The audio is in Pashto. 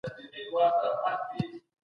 حقوقپوهان چیري د مدني ټولني ملاتړ کوي؟